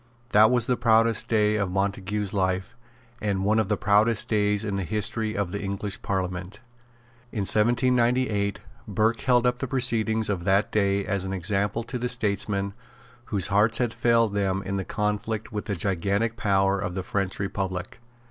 That was the proudest day of Montague's life, and one of the proudest days in the history of the English Parliament. In 1798, Burke held up the proceedings of that day as an example to the statesmen whose hearts had failed them in the conflict with the gigantic power of the French republic.